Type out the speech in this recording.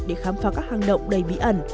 để khám phá các hang động đầy bí ẩn